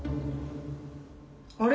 あれ？